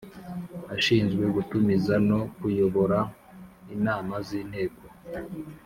Ashinzwe gutumiza no kuyobora inama z ‘Inteko.